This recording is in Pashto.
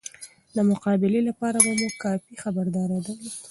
د مقابله لپاره به مو کافي خبرداری درلود.